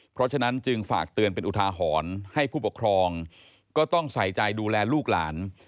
เพราะฉะนั้นจึงฝากเตือนเป็นอุทาหรณ์ให้ผู้ปกครองก็ต้องใส่ใจดูแลลูกหลาน